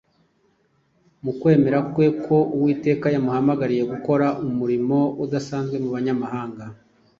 mu kwemera kwe ko Uwiteka yamuhamagariye gukora umurimo udasanzwe mu banyamahanga.